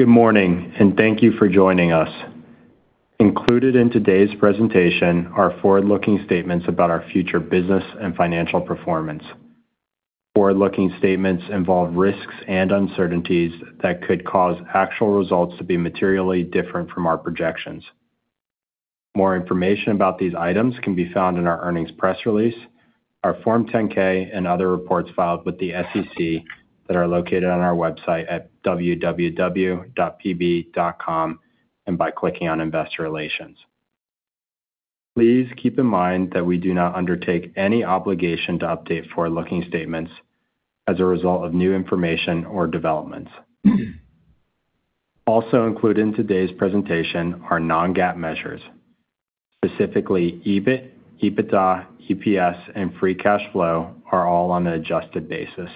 Good morning, and thank you for joining us. Included in today's presentation are forward-looking statements about our future business and financial performance. Forward-looking statements involve risks and uncertainties that could cause actual results to be materially different from our projections. More information about these items can be found in our earnings press release, our Form 10-K and other reports filed with the SEC that are located on our website at www.pb.com and by clicking on Investor Relations. Please keep in mind that we do not undertake any obligation to update forward-looking statements as a result of new information or developments. Also included in today's presentation are non-GAAP measures, specifically EBIT, EBITDA, EPS, and free cash flow are all on an adjusted basis.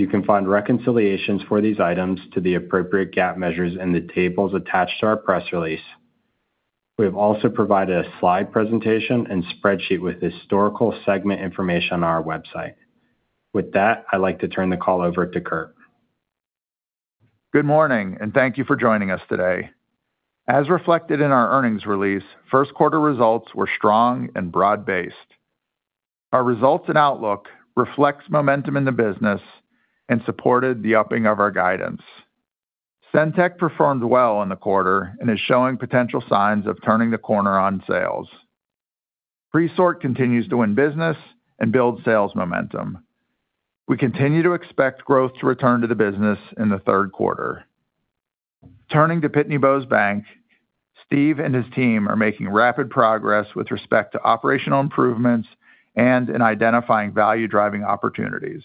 You can find reconciliations for these items to the appropriate GAAP measures in the tables attached to our press release. We have also provided a slide presentation and spreadsheet with historical segment information on our website. With that, I'd like to turn the call over to Kurt. Good morning, and thank you for joining us today. As reflected in our earnings release, first quarter results were strong and broad-based. Our results and outlook reflects momentum in the business and supported the upping of our guidance. SendTech performed well in the quarter and is showing potential signs of turning the corner on sales. Presort continues to win business and build sales momentum. We continue to expect growth to return to the business in the third quarter. Turning to Pitney Bowes Bank, Steve and his team are making rapid progress with respect to operational improvements and in identifying value-driving opportunities.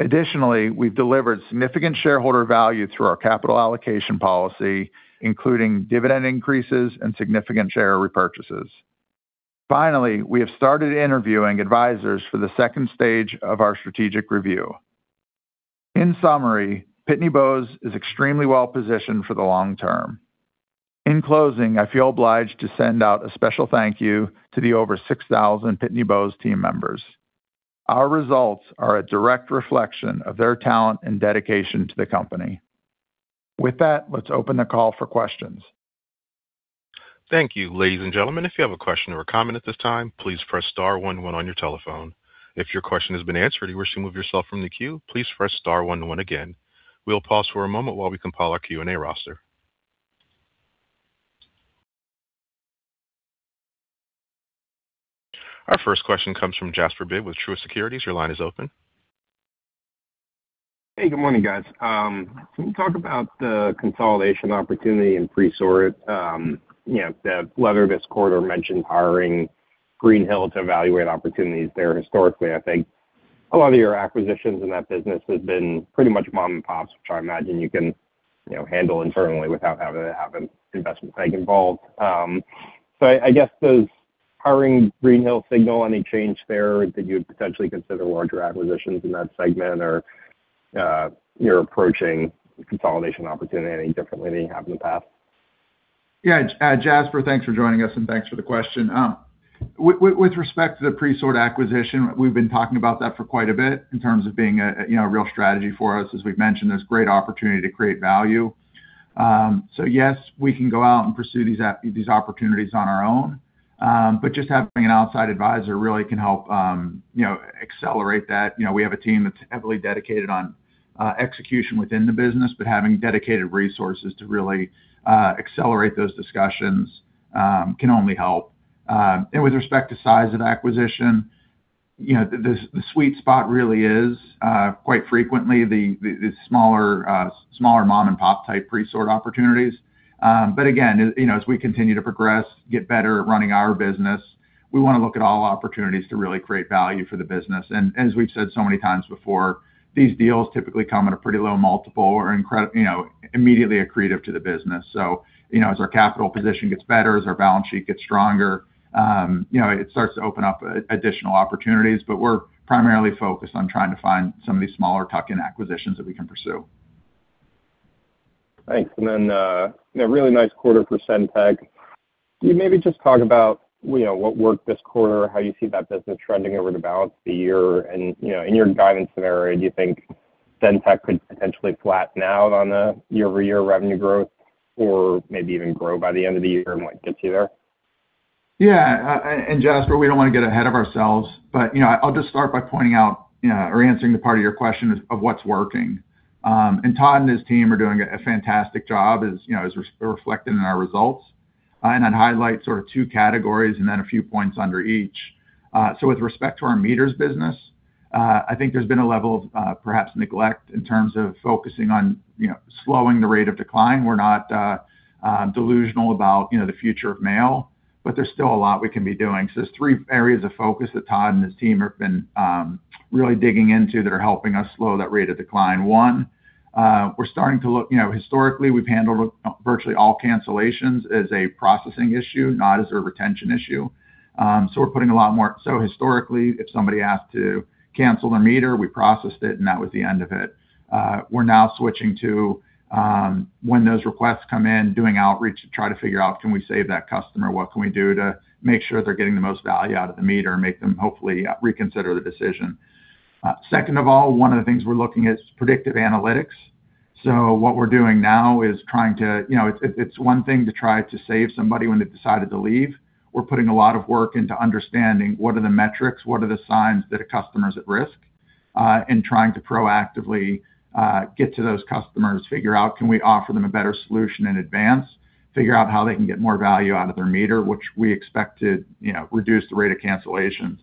Additionally, we've delivered significant shareholder value through our capital allocation policy, including dividend increases and significant share repurchases. Finally, we have started interviewing advisors for the second stage of our strategic review. In summary, Pitney Bowes is extremely well-positioned for the long term. In closing, I feel obliged to send out a special thank you to the over 6,000 Pitney Bowes team members. Our results are a direct reflection of their talent and dedication to the company. With that, let's open the call for questions. Thank you. Ladies and gentlemen, if you have a question or comment at this time, please press star one one on your telephone. If your question has been answered and you wish to remove yourself from the queue, please press star one one again. We'll pause for a moment while we compile our Q&A roster. Our first question comes from Jasper Bibb with Truist Securities. Your line is open. Good morning, guys. Can you talk about the consolidation opportunity in Presort? You know, whether this quarter mentioned hiring Greenhill to evaluate opportunities there. Historically, I think a lot of your acquisitions in that business has been pretty much mom and pops, which I imagine you can, you know, handle internally without having to have an investment bank involved. I guess does hiring Greenhill signal any change there? Did you potentially consider larger acquisitions in that segment? You're approaching consolidation opportunity any differently than you have in the past? Jasper, thanks for joining us and thanks for the question. With respect to the Presort acquisition, we've been talking about that for quite a bit in terms of being a, you know, a real strategy for us. As we've mentioned, there's great opportunity to create value. Yes, we can go out and pursue these opportunities on our own. Just having an outside advisor really can help, you know, accelerate that. You know, we have a team that's heavily dedicated on execution within the business, but having dedicated resources to really accelerate those discussions can only help. With respect to size of acquisition, you know, the sweet spot really is quite frequently the smaller mom-and-pop type Presort opportunities. Again, you know, as we continue to progress, get better at running our business, we wanna look at all opportunities to really create value for the business. As we've said so many times before, these deals typically come at a pretty low multiple or, you know, immediately accretive to the business. You know, as our capital position gets better, as our balance sheet gets stronger, you know, it starts to open up additional opportunities. We're primarily focused on trying to find some of these smaller tuck-in acquisitions that we can pursue. Thanks. You know, really nice quarter for SendTech. Can you maybe just talk about, you know, what worked this quarter, how you see that business trending over the balance of the year? You know, in your guidance scenario, do you think SendTech could potentially flatten out on the year-over-year revenue growth or maybe even grow by the end of the year and what gets you there? Yeah. Jasper, we don't wanna get ahead of ourselves, but I'll just start by pointing out or answering the part of your question is of what's working. Todd and his team are doing a fantastic job as you know, as re-reflected in our results. I'd highlight sort of 2 categories and then a few points under each. With respect to our meters business, I think there's been a level of perhaps neglect in terms of focusing on slowing the rate of decline. We're not delusional about the future of mail, but there's still a lot we can be doing. There's three areas of focus that Todd and his team have been really digging into that are helping us slow that rate of decline. One, we're starting to look, you know, historically, we've handled virtually all cancellations as a processing issue, not as a retention issue. Historically, if somebody asked to cancel their meter, we processed it, and that was the end of it. We're now switching to, when those requests come in, doing outreach to try to figure out can we save that customer? What can we do to make sure they're getting the most value out of the meter and make them hopefully reconsider the decision? Second of all, one of the things we're looking is predictive analytics. What we're doing now is trying to, you know, it's one thing to try to save somebody when they've decided to leave. We're putting a lot of work into understanding what are the metrics, what are the signs that a customer is at risk, and trying to proactively get to those customers, figure out can we offer them a better solution in advance, figure out how they can get more value out of their meter, which we expect to, you know, reduce the rate of cancellations.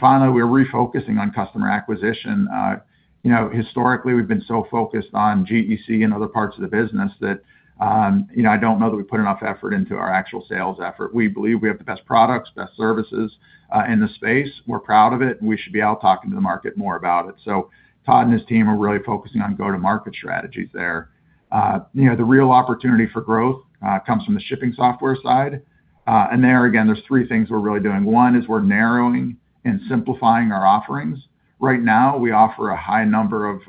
Finally, we're refocusing on customer acquisition. You know, historically, we've been so focused on GEC and other parts of the business that, you know, I don't know that we put enough effort into our actual sales effort. We believe we have the best products, best services in the space. We're proud of it. We should be out talking to the market more about it. Todd and his team are really focusing on go-to-market strategies there. You know, the real opportunity for growth comes from the shipping software side. There again, there's three things we're really doing. One is we're narrowing and simplifying our offerings. Right now, we offer a high number of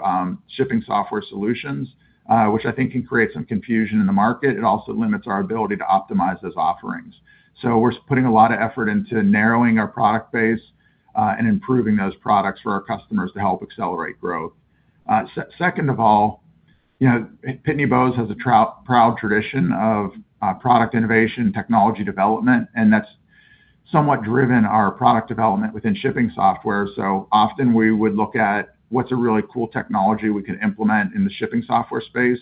shipping software solutions, which I think can create some confusion in the market. It also limits our ability to optimize those offerings. We're putting a lot of effort into narrowing our product base and improving those products for our customers to help accelerate growth. Second of all, you know, Pitney Bowes has a proud tradition of product innovation and technology development, that's somewhat driven our product development within shipping software. Often we would look at what's a really cool technology we can implement in the shipping software space,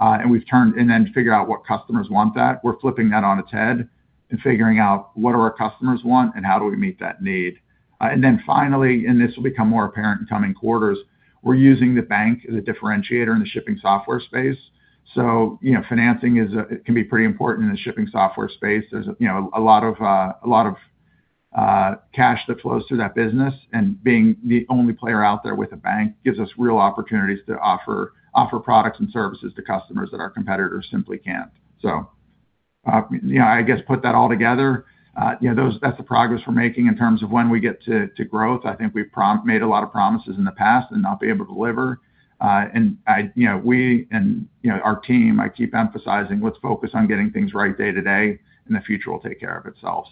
then figure out what customers want that. We're flipping that on its head and figuring out what do our customers want and how do we meet that need. Then finally, and this will become more apparent in coming quarters, we're using the bank as a differentiator in the shipping software space. You know, financing, it can be pretty important in the shipping software space. There's a lot of cash that flows through that business, and being the only player out there with a bank gives us real opportunities to offer products and services to customers that our competitors simply can't. You know, I guess put that all together, you know, that's the progress we're making in terms of when we get to growth. I think we've made a lot of promises in the past and not be able to deliver. I, you know, we and, you know, our team, I keep emphasizing let's focus on getting things right day to day, and the future will take care of itself.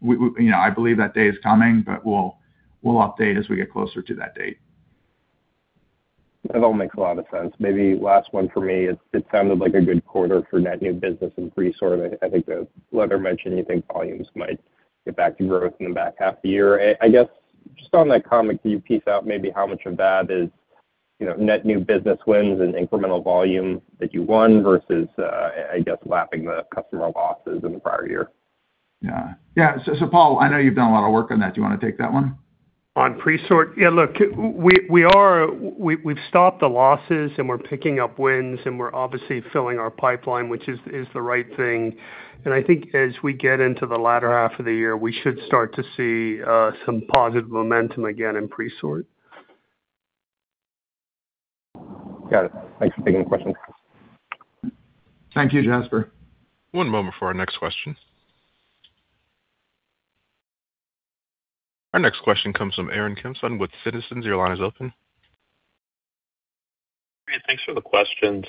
We, you know, I believe that day is coming, but we'll update as we get closer to that date. That all makes a lot of sense. Maybe last one for me. It sounded like a good quarter for net new business in Presort. I think the letter mentioned you think volumes might get back to growth in the back half of the year. I guess just on that comment, can you piece out maybe how much of that is, you know, net new business wins and incremental volume that you won versus, I guess lapping the customer losses in the prior year? Yeah. Yeah. Paul, I know you've done a lot of work on that. Do you want to take that one? On Presort? Yeah, look, we've stopped the losses, and we're picking up wins, and we're obviously filling our pipeline, which is the right thing. I think as we get into the latter half of the year, we should start to see some positive momentum again in Presort. Got it. Thanks for taking the question. Thank you, Jasper. One moment for our next question. Our next question comes from Aaron Kimson with Citizens. Your line is open. Great. Thanks for the questions.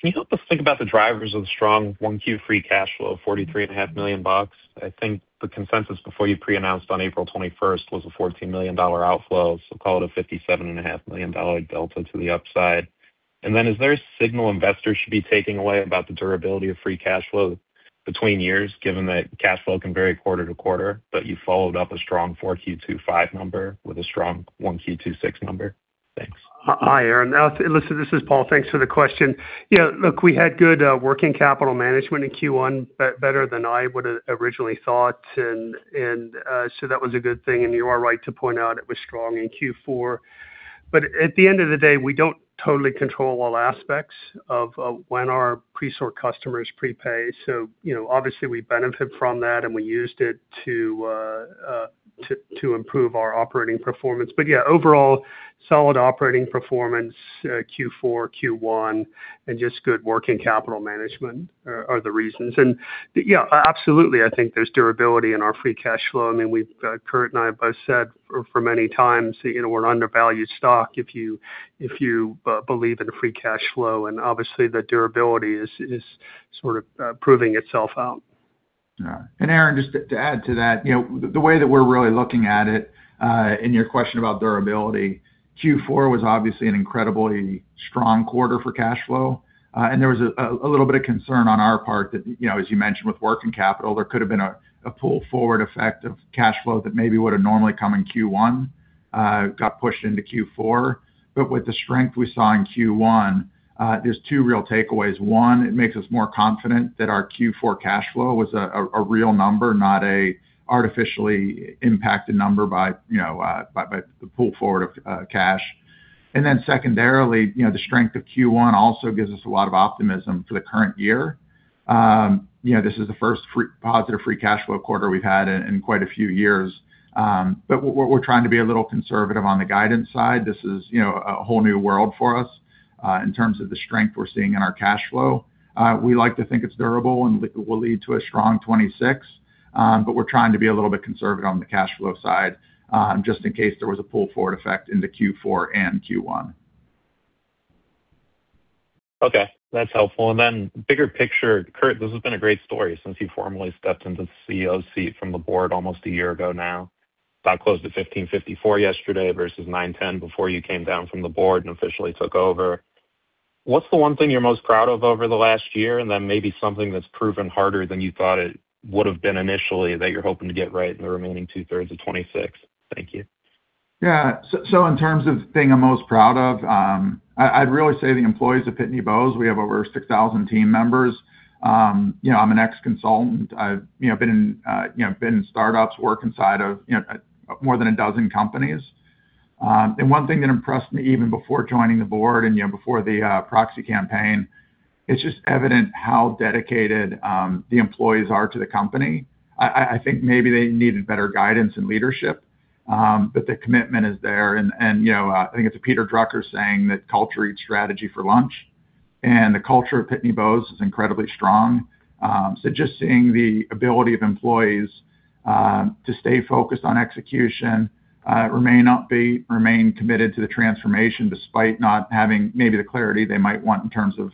Can you help us think about the drivers of the strong 1Q free cash flow of forty-three and a half million dollars? I think the consensus before you pre-announced on April 21st was a $14 million outflow, so call it a $57.5 Delta to the upside. Is there a signal investors should be taking away about the durability of free cash flow between years, given that cash flow can vary quarter to quarter, but you followed up a strong 4Q 2025 number with a strong 1Q 2026 number? Thanks. Hi, Aaron Kimson. Now, listen, this is Paul. Thanks for the question. You know, look, we had good working capital management in Q1, better than I would have originally thought. So that was a good thing, and you are right to point out it was strong in Q4. At the end of the day, we don't totally control all aspects of when our Presort customers prepay. You know, obviously we benefit from that, and we used it to improve our operating performance. Yeah, overall solid operating performance, Q4, Q1, and just good working capital management are the reasons. Yeah, absolutely, I think there's durability in our free cash flow. I mean, Kurt and I have both said for many times, you know, we're an undervalued stock if you believe in free cash flow, and obviously the durability is sort of proving itself out. Yeah. Aaron, just to add to that, you know, the way that we're really looking at it, in your question about durability, Q4 was obviously an incredibly strong quarter for cash flow. There was a little bit of concern on our part that, you know, as you mentioned with working capital, there could have been a pull forward effect of cash flow that maybe would have normally come in Q1, got pushed into Q4. With the strength we saw in Q1, there's two real takeaways. One, it makes us more confident that our Q4 cash flow was a real number, not a artificially impacted number by, you know, by the pull forward of cash. Secondarily, you know, the strength of Q1 also gives us a lot of optimism for the current year. You know, this is the first positive free cash flow quarter we've had in quite a few years. We're trying to be a little conservative on the guidance side. This is, you know, a whole new world for us in terms of the strength we're seeing in our cash flow. We like to think it's durable and will lead to a strong 2026. We're trying to be a little bit conservative on the cash flow side just in case there was a pull-forward effect into Q4 and Q1. Okay, that's helpful. Then bigger picture, Kurt, this has been a great story since you formally stepped into the CEO seat from the board almost a year ago now. Stock closed at $15.54 yesterday versus $9.10 before you came down from the board and officially took over. What's the one thing you're most proud of over the last year, and then maybe something that's proven harder than you thought it would have been initially that you're hoping to get right in the remaining 2/3 of 2026? Thank you. Yeah. In terms of the thing I'm most proud of, I'd really say the employees of Pitney Bowes. We have over 6,000 team members. You know, I'm an ex-consultant. I've, you know, been in, you know, been in startups, worked inside of, you know, more than a dozen companies. One thing that impressed me even before joining the board and, you know, before the proxy campaign, it's just evident how dedicated the employees are to the company. I think maybe they needed better guidance and leadership, but the commitment is there. You know, I think it's a Peter Drucker saying that culture eats strategy for lunch. The culture of Pitney Bowes is incredibly strong. Just seeing the ability of employees to stay focused on execution, remain upbeat, remain committed to the transformation despite not having maybe the clarity they might want in terms of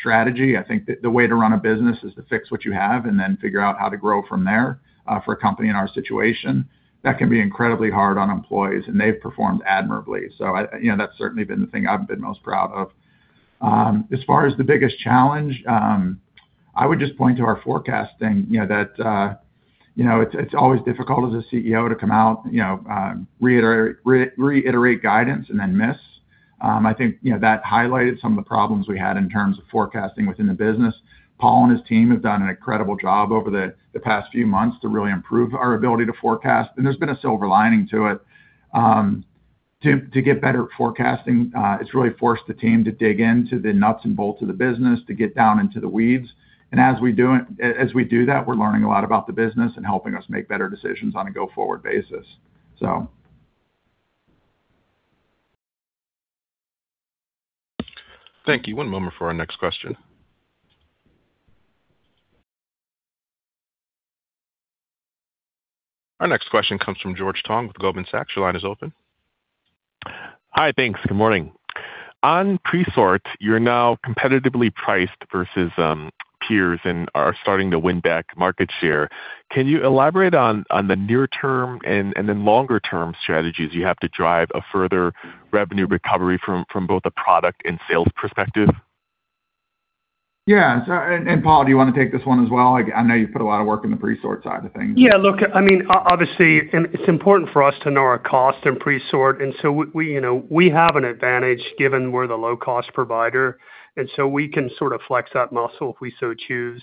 strategy. I think the way to run a business is to fix what you have and then figure out how to grow from there. For a company in our situation, that can be incredibly hard on employees, and they've performed admirably. You know, that's certainly been the thing I've been most proud of. As far as the biggest challenge, I would just point to our forecasting, you know, that, you know, it's always difficult as a CEO to come out, you know, reiterate guidance and then miss. I think, you know, that highlighted some of the problems we had in terms of forecasting within the business. Paul and his team have done an incredible job over the past few months to really improve our ability to forecast. There's been a silver lining to it. To get better at forecasting, it's really forced the team to dig into the nuts and bolts of the business, to get down into the weeds. As we do that, we're learning a lot about the business and helping us make better decisions on a go-forward basis. Thank you. One moment for our next question. Our next question comes from George Tong with Goldman Sachs. Your line is open. Hi. Thanks. Good morning. On Presort, you're now competitively priced versus peers and are starting to win back market share. Can you elaborate on the near-term and then longer-term strategies you have to drive a further revenue recovery from both a product and sales perspective? Yeah. Paul, do you wanna take this one as well? Like, I know you've put a lot of work in the Presort side of things. Look, I mean, obviously, it's important for us to know our cost in Presort. We, you know, we have an advantage given we're the low-cost provider, we can sort of flex that muscle if we so choose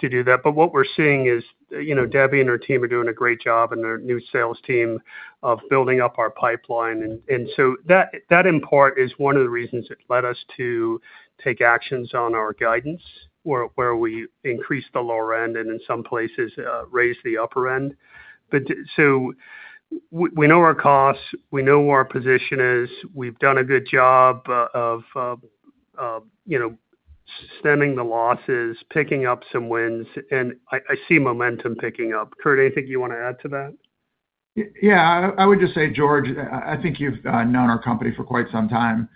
to do that. What we're seeing is, you know, Debbie and her team are doing a great job and their new sales team of building up our pipeline. That in part is one of the reasons it led us to take actions on our guidance where we increased the lower end and in some places raised the upper end. We know our costs, we know where our position is. We've done a good job of, you know, stemming the losses, picking up some wins, and I see momentum picking up. Kurt, anything you wanna add to that? Yeah. I would just say, George, I think you've known our company for quite some time.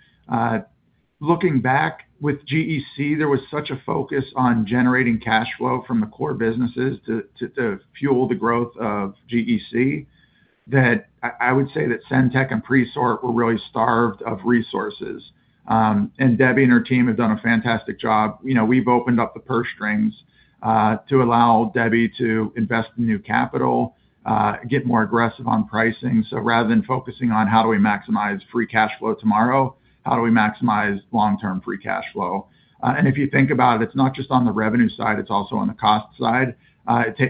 Looking back with GEC, there was such a focus on generating cash flow from the core businesses to fuel the growth of GEC, that I would say that SendTech and Presort were really starved of resources. Debbie and her team have done a fantastic job. You know, we've opened up the purse strings to allow Debbie to invest in new capital, get more aggressive on pricing. Rather than focusing on how do we maximize free cash flow tomorrow, how do we maximize long-term free cash flow? If you think about it's not just on the revenue side, it's also on the cost side.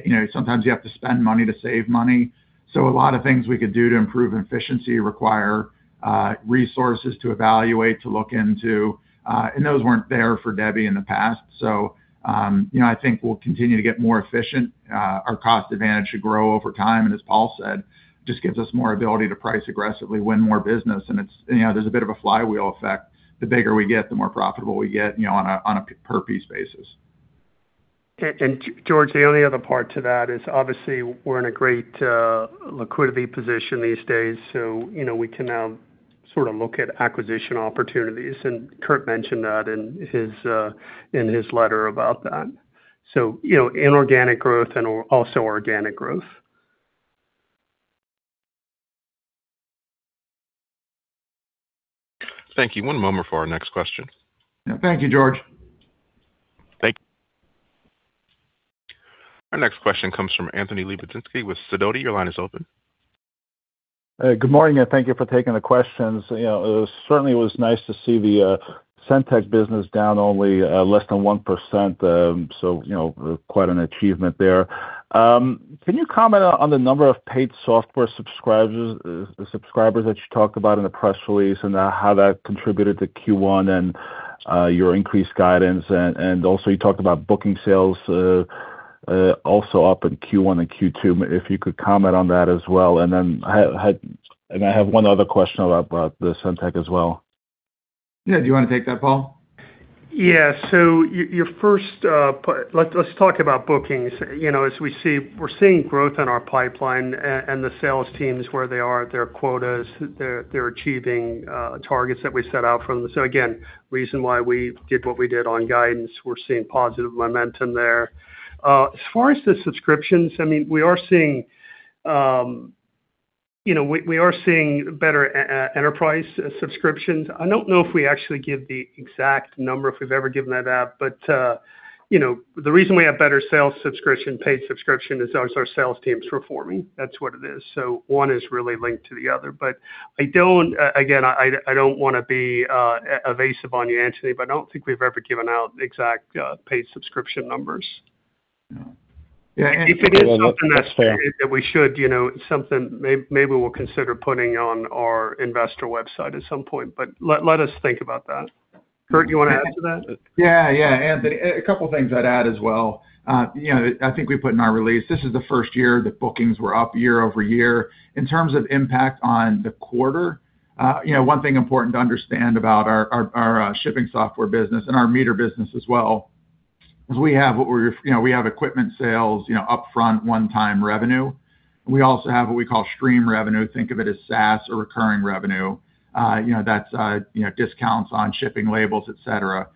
You know, sometimes you have to spend money to save money. A lot of things we could do to improve efficiency require resources to evaluate, to look into, and those weren't there for Debbie in the past. You know, I think we'll continue to get more efficient. Our cost advantage should grow over time, and as Paul said, just gives us more ability to price aggressively, win more business. It's, you know, there's a bit of a flywheel effect. The bigger we get, the more profitable we get, you know, on a, on a per piece basis. George, the only other part to that is obviously we're in a great liquidity position these days, you know, we can now sort of look at acquisition opportunities. Kurt mentioned that in his letter about that. You know, inorganic growth and also organic growth. Thank you. One moment for our next question. Thank you, George. Thank you. Our next question comes from Anthony Lebiedzinski with Sidoti. Your line is open. Good morning, thank you for taking the questions. You know, it certainly was nice to see the SendTech business down only less than 1%. You know, quite an achievement there. Can you comment on the number of paid software subscribers that you talked about in the press release and how that contributed to Q1 and your increased guidance? Also you talked about booking sales also up in Q1 and Q2, if you could comment on that as well. Then I have one other question about the SendTech as well. Yeah. Do you wanna take that, Paul? Yeah. Let's talk about bookings. You know, we're seeing growth in our pipeline and the sales teams where they are at their quotas. They're achieving targets that we set out for them. Again, reason why we did what we did on guidance, we're seeing positive momentum there. As far as the subscriptions, I mean, we are seeing, you know, we are seeing better enterprise subscriptions. I don't know if we actually give the exact number, if we've ever given that out. You know, the reason we have better sales subscription, paid subscription is also our sales team's performing. That's what it is. One is really linked to the other. I don't, again, I don't wanna be evasive on you, Anthony, but I don't think we've ever given out exact paid subscription numbers. Yeah. If it is something that- That's fair. that we should, you know, something maybe we'll consider putting on our investor website at some point, but let us think about that. Kurt, you wanna add to that? Yeah, yeah. Anthony, a couple things I'd add as well. You know, I think we put in our release, this is the first year that bookings were up year-over-year. In terms of impact on the quarter, you know, one thing important to understand about our shipping software business and our meter business as well, is we have what we have equipment sales, you know, upfront one-time revenue. We also have what we call stream revenue. Think of it as SaaS or recurring revenue. You know, that's, you know, discounts on shipping labels, et cetera.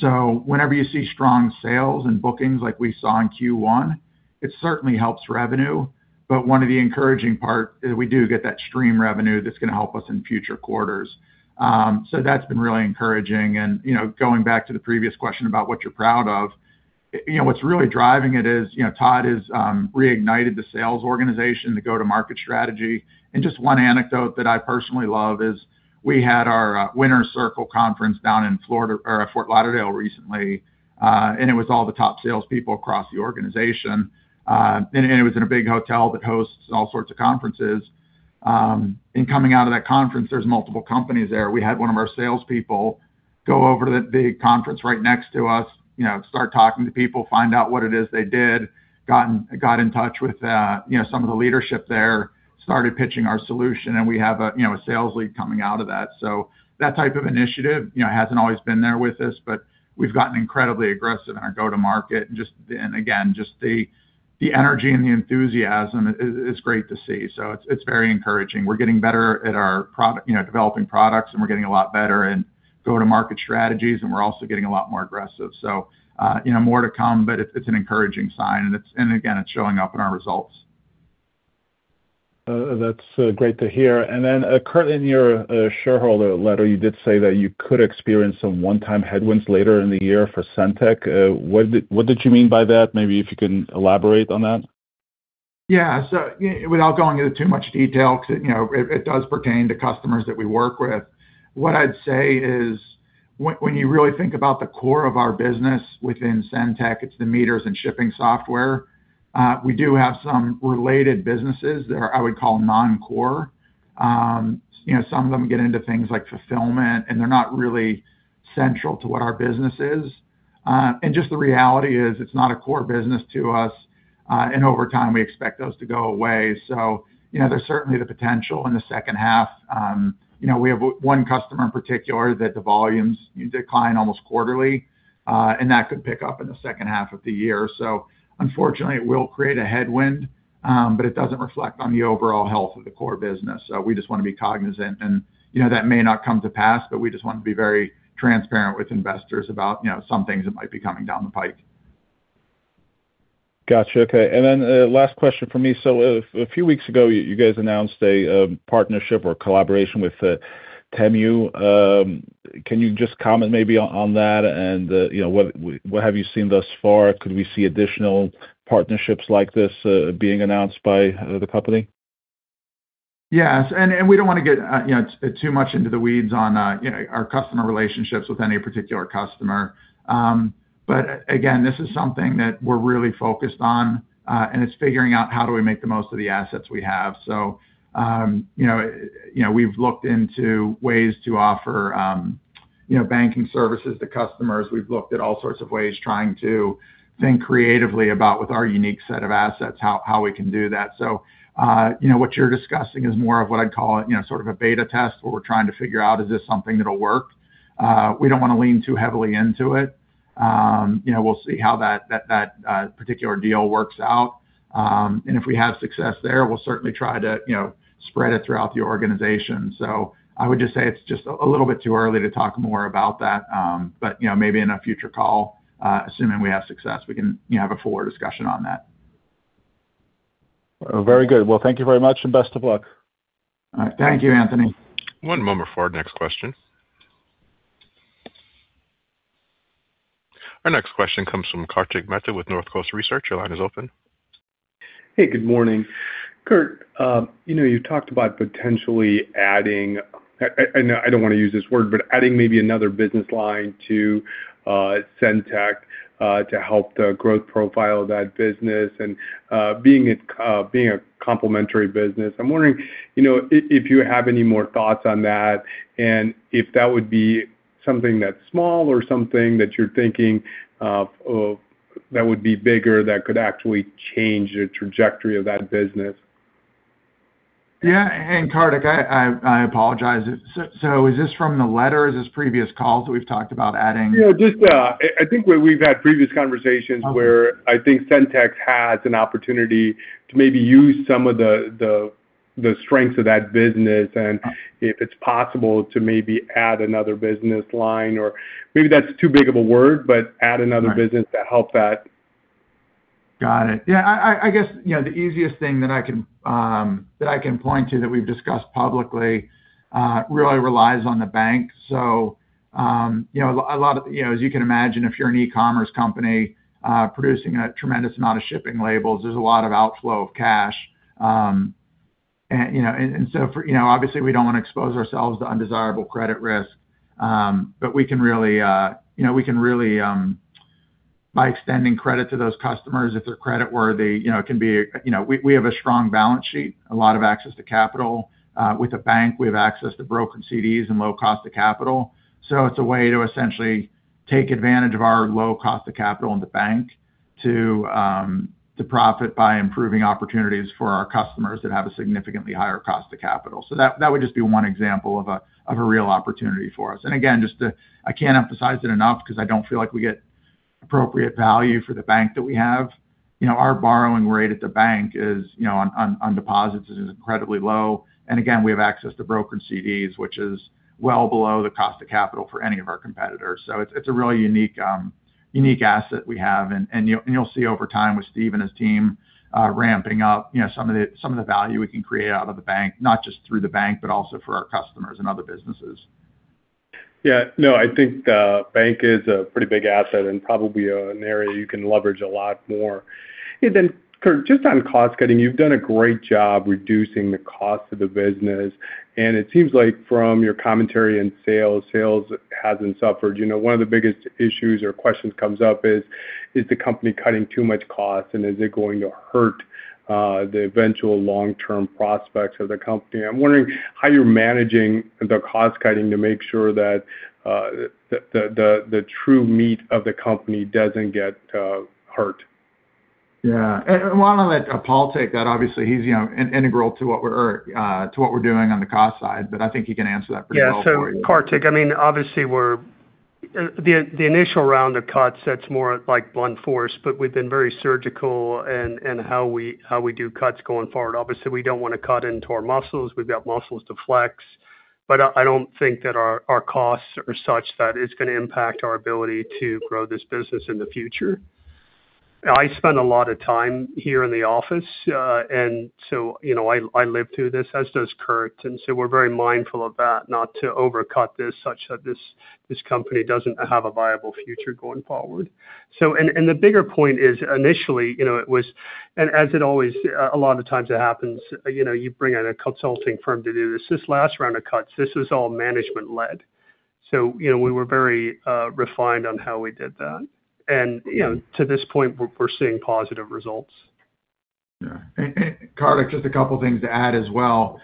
Whenever you see strong sales and bookings like we saw in Q1, it certainly helps revenue. One of the encouraging part is we do get that stream revenue that's gonna help us in future quarters. That's been really encouraging. You know, going back to the previous question about what you're proud of, you know, what's really driving it is, you know, Todd has reignited the sales organization, the go-to-market strategy. Just one anecdote that I personally love is we had our Winners Circle Conference down in Florida or Fort Lauderdale recently, and it was all the top salespeople across the organization. And it was in a big hotel that hosts all sorts of conferences. In coming out of that conference, there's multiple companies there. We had one of our salespeople go over to the big conference right next to us, you know, start talking to people, find out what it is they did. Got in touch with, you know, some of the leadership there, started pitching our solution. We have a, you know, a sales lead coming out of that. That type of initiative, you know, hasn't always been there with us, but we've gotten incredibly aggressive in our go-to-market. Again, the energy and the enthusiasm is great to see. It's very encouraging. We're getting better at our product, you know, developing products. We're getting a lot better in go-to-market strategies, and we're also getting a lot more aggressive. You know, more to come, but it's an encouraging sign. It's again showing up in our results. That's great to hear. Kurt, in your shareholder letter, you did say that you could experience some one-time headwinds later in the year for SendTech. What did you mean by that? Maybe if you can elaborate on that. Without going into too much detail 'cause, you know, it does pertain to customers that we work with. What I'd say is when you really think about the core of our business within SendTech, it's the meters and shipping software. We do have some related businesses that are, I would call non-core. You know, some of them get into things like fulfillment, and they're not really central to what our business is. Just the reality is it's not a core business to us, and over time we expect those to go away. You know, there's certainly the potential in the second half. You know, we have one customer in particular that the volumes decline almost quarterly, and that could pick up in the second half of the year. Unfortunately it will create a headwind, but it doesn't reflect on the overall health of the core business. We just wanna be cognizant and, you know, that may not come to pass, but we just want to be very transparent with investors about, you know, some things that might be coming down the pike. Gotcha. Okay. Last question from me. A few weeks ago, you guys announced a partnership or collaboration with Temu. Can you just comment maybe on that? You know, what have you seen thus far? Could we see additional partnerships like this, being announced by the company? Yes. We don't wanna get, you know, too much into the weeds on, you know, our customer relationships with any particular customer. Again, this is something that we're really focused on, and it's figuring out how do we make the most of the assets we have. You know, you know, we've looked into ways to offer, you know, banking services to customers. We've looked at all sorts of ways trying to think creatively about, with our unique set of assets, how we can do that. You know, what you're discussing is more of what I'd call, you know, sort of a beta test, where we're trying to figure out, is this something that'll work? We don't wanna lean too heavily into it. You know, we'll see how that particular deal works out. If we have success there, we'll certainly try to, you know, spread it throughout the organization. I would just say it's just a little bit too early to talk more about that. You know, maybe in a future call, assuming we have success, we can, you know, have a fuller discussion on that. Very good. Well, thank you very much and best of luck. All right. Thank you, Anthony. One moment for our next question. Our next question comes from Kartik Mehta with Northcoast Research. Your line is open. Hey, good morning. Kurt, you know, you talked about potentially adding, I don't wanna use this word, but adding maybe another business line to SendTech, to help the growth profile of that business and being a complementary business. I'm wondering, you know, if you have any more thoughts on that and if that would be something that's small or something that you're thinking of that would be bigger that could actually change the trajectory of that business? Yeah. Kartik, I apologize. Is this from the letter? Is this previous calls we've talked about adding? Yeah, just, I think where we've had previous conversations. Okay where I think SendTech has an opportunity to maybe use some of the strengths of that business, and if it's possible to maybe add another business line or maybe that's too big of a word, but add another business to help that. Got it. Yeah. I guess, you know, the easiest thing that I can that I can point to that we've discussed publicly really relies on the Bank. You know, as you can imagine, if you're an e-commerce company producing a tremendous amount of shipping labels, there's a lot of outflow of cash. You know, obviously we don't wanna expose ourselves to undesirable credit risk. We can really, you know, by extending credit to those customers, if they're credit worthy, you know, we have a strong balance sheet, a lot of access to capital. With the Bank, we have access to brokered CDs and low cost of capital. It's a way to essentially take advantage of our low cost of capital in the bank to profit by improving opportunities for our customers that have a significantly higher cost of capital. That would just be one example of a real opportunity for us. Again, just to I can't emphasize it enough 'cause I don't feel like we get appropriate value for the bank that we have. You know, our borrowing rate at the bank is, you know, on deposits is incredibly low. Again, we have access to brokered CDs, which is well below the cost of capital for any of our competitors. It's a really unique asset we have. You'll see over time with Steve and his team, ramping up, you know, some of the value we can create out of the bank, not just through the bank, but also for our customers and other businesses. No, I think the bank is a pretty big asset and probably an area you can leverage a lot more. Kurt, just on cost cutting, you've done a great job reducing the cost of the business, and it seems like from your commentary in sales hasn't suffered. You know, one of the biggest issues or questions comes up is the company cutting too much cost, and is it going to hurt the eventual long-term prospects of the company? I'm wondering how you're managing the cost cutting to make sure that the true meat of the company doesn't get hurt. Yeah. Why don't I let Paul take that? Obviously, he's, you know, integral to what we're doing on the cost side, but I think he can answer that pretty well for you. Yeah. Kartik, I mean, obviously we're the initial round of cuts, that's more like blunt force, we've been very surgical in how we do cuts going forward. Obviously, we don't wanna cut into our muscles. We've got muscles to flex. I don't think that our costs are such that it's gonna impact our ability to grow this business in the future. I spend a lot of time here in the office, you know, I live through this, as does Kurt. We're very mindful of that, not to overcut this such that this company doesn't have a viable future going forward. The bigger point is initially, you know, it was as it always, a lot of times it happens, you know, you bring in a consulting firm to do this. This last round of cuts, this was all management led. You know, we were very, refined on how we did that. You know, to this point, we're seeing positive results. Kartik, just a couple things to add as well.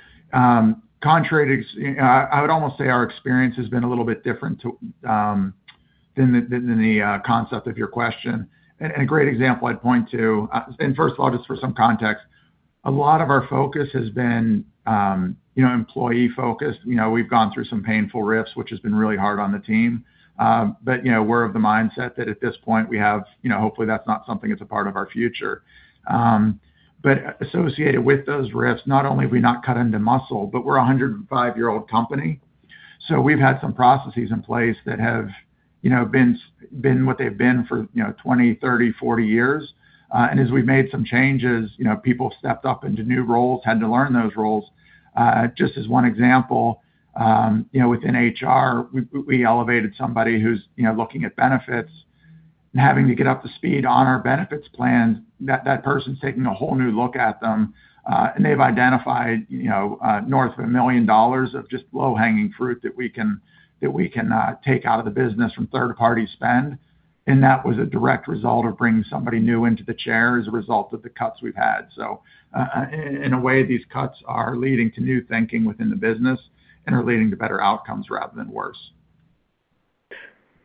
Contrary to, I would almost say our experience has been a little bit different to than the concept of your question. A great example I'd point to. First of all, just for some context, a lot of our focus has been, you know, employee focused. You know, we've gone through some painful [rifts], which has been really hard on the team. You know, we're of the mindset that at this point we have You know, hopefully that's not something that's a part of our future. Associated with those rifts, not only have we not cut into muscle, but we're a 105-year-old company. We've had some processes in place that have, you know, been what they've been for, you know, 20, 30, 40 years. As we've made some changes, you know, people have stepped up into new roles, had to learn those roles. Just as 1 example, you know, within HR, we elevated somebody who's, you know, looking at benefits and having to get up to speed on our benefits plan. That person's taking a whole new look at them, and they've identified, you know, north of $1 million of just low-hanging fruit that we can take out of the business from third party spend. That was a direct result of bringing somebody new into the chair as a result of the cuts we've had. In a way, these cuts are leading to new thinking within the business and are leading to better outcomes rather than worse.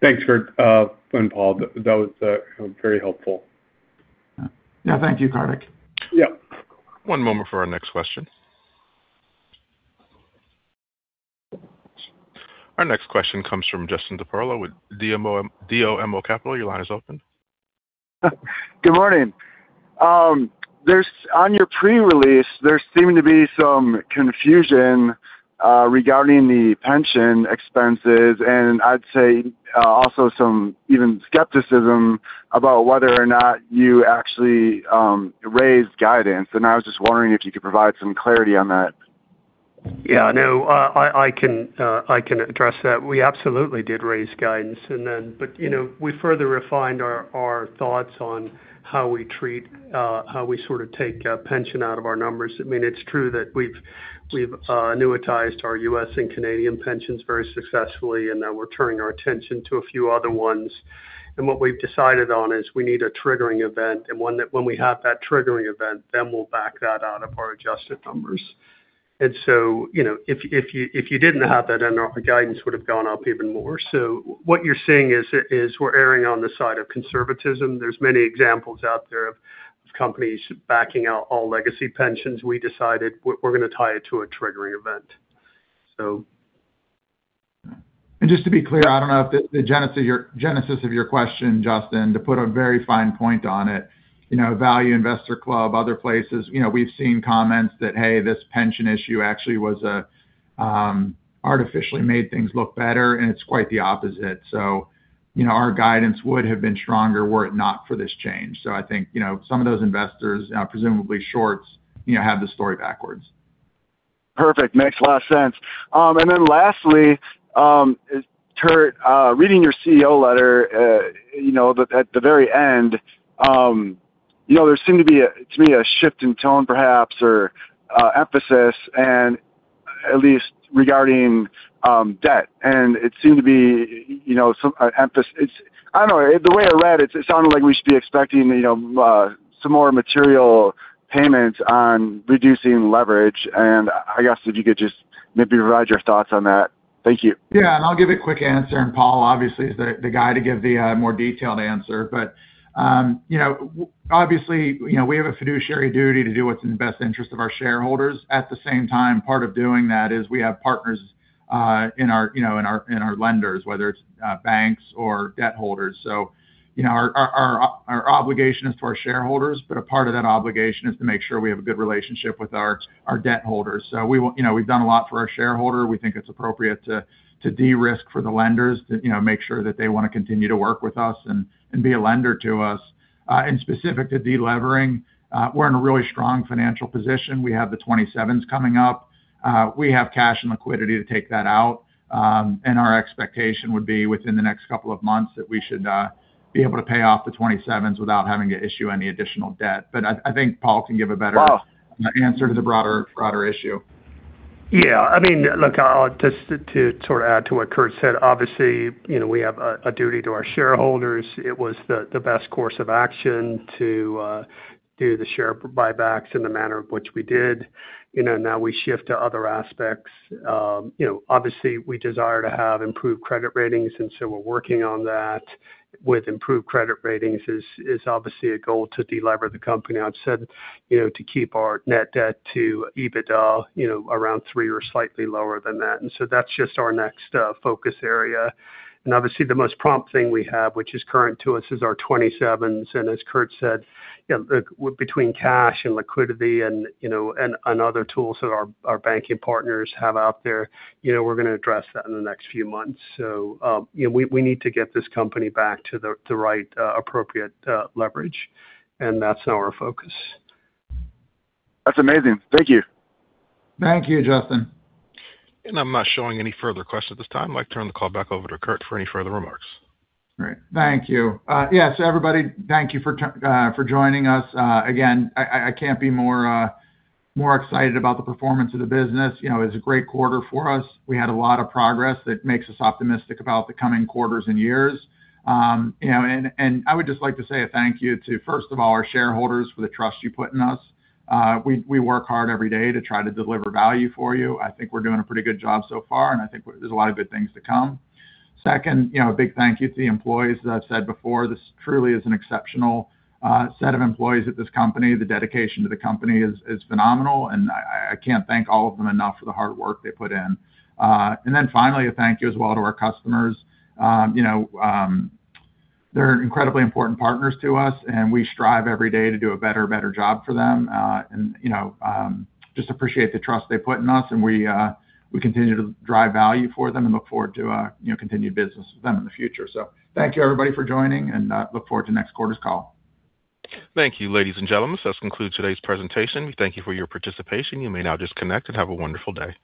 Thanks, Kurt, and Paul. That was very helpful. Yeah. Thank you, Kartik. Yep. One moment for our next question. Our next question comes from Justin Dopierala with DOMO Capital. Your line is open. Good morning. On your pre-release, there seemed to be some confusion regarding the pension expenses, and I'd say also some even skepticism about whether or not you actually raised guidance. I was just wondering if you could provide some clarity on that. Yeah, no, I can, I can address that. We absolutely did raise guidance. You know, we further refined our thoughts on how we treat, how we sort of take pension out of our numbers. I mean, it's true that we've annuitized our U.S. and Canadian pensions very successfully, and now we're turning our attention to a few other ones. What we've decided on is we need a triggering event, and when we have that triggering event, we'll back that out of our adjusted numbers. You know, if you, if you didn't have that, our guidance would have gone up even more. What you're seeing is we're erring on the side of conservatism. There's many examples out there of companies backing out all legacy pensions. We decided we're gonna tie it to a triggering event. Just to be clear, I don't know if the genesis of your question, Justin, to put a very fine point on it, you know, Value Investors Club, other places, you know, we've seen comments that, hey, this pension issue actually was artificially made things look better, and it's quite the opposite. Our guidance would have been stronger were it not for this change. I think, you know, some of those investors, presumably shorts, you know, have the story backwards. Perfect. Makes a lot of sense. Lastly, Kurt, reading your CEO letter, you know, at the very end, you know, there seemed to be to me a shift in tone perhaps or emphasis and at least regarding debt. It seemed to be, you know, some emphasis. I don't know. The way I read it sounded like we should be expecting, you know, some more material payments on reducing leverage. I guess if you could just maybe provide your thoughts on that. Thank you. Yeah. I'll give a quick answer, Paul obviously is the guy to give the more detailed answer. You know, obviously, you know, we have a fiduciary duty to do what's in the best interest of our shareholders. At the same time, part of doing that is we have partners in our, you know, in our lenders, whether it's banks or debt holders. You know, our obligation is to our shareholders, but a part of that obligation is to make sure we have a good relationship with our debt holders. You know, we've done a lot for our shareholder. We think it's appropriate to de-risk for the lenders to, you know, make sure that they wanna continue to work with us and be a lender to us. Specific to de-levering, we're in a really strong financial position. We have the 2027s coming up. We have cash and liquidity to take that out. Our expectation would be within the next couple of months that we should be able to pay off the 2027s without having to issue any additional debt. Wow. answer to the broader issue. Yeah. I mean, look, I'll just to sort of add to what Kurt said, obviously, you know, we have a duty to our shareholders. It was the best course of action to do the share buybacks in the manner of which we did. You know, now we shift to other aspects. You know, obviously, we desire to have improved credit ratings. We're working on that. With improved credit ratings is obviously a goal to de-lever the company. I've said, you know, to keep our net debt to EBITDA, you know, around three or slightly lower than that. That's just our next focus area. Obviously, the most prompt thing we have, which is current to us, is our 2027. As Kurt said, you know, between cash and liquidity, you know, and other tools that our banking partners have out there, you know, we're gonna address that in the next few months. We need to get this company back to the right, appropriate leverage, and that's now our focus. That's amazing. Thank you. Thank you, Justin. I'm not showing any further questions at this time. I'd like to turn the call back over to Kurt for any further remarks. Great. Thank you. Yes, everybody, thank you for joining us. Again, I can't be more excited about the performance of the business. You know, it's a great quarter for us. We had a lot of progress that makes us optimistic about the coming quarters and years. You know, and I would just like to say a thank you to, first of all, our shareholders for the trust you put in us. We work hard every day to try to deliver value for you. I think we're doing a pretty good job so far, and I think there's a lot of good things to come. Second, you know, a big thank you to the employees. As I've said before, this truly is an exceptional set of employees at this company. The dedication to the company is phenomenal, and I can't thank all of them enough for the hard work they put in. Then finally, a thank you as well to our customers. You know, they're incredibly important partners to us, and we strive every day to do a better job for them. You know, just appreciate the trust they put in us, and we continue to drive value for them and look forward to, you know, continued business with them in the future. Thank you, everybody, for joining, and I look forward to next quarter's call. Thank you, ladies and gentlemen. This concludes today's presentation. We thank you for your participation. You may now disconnect and have a wonderful day.